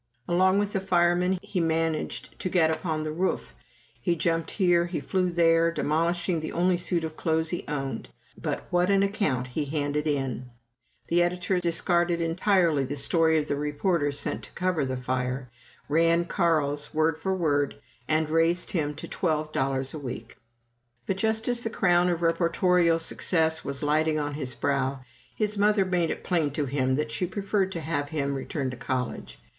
Along with the firemen, he managed to get upon the roof; he jumped here, he flew there, demolishing the only suit of clothes he owned. But what an account he handed in! The editor discarded entirely the story of the reporter sent to cover the fire, ran in Carl's, word for word, and raised him to twelve dollars a week. But just as the crown of reportorial success was lighting on his brow, his mother made it plain to him that she preferred to have him return to college.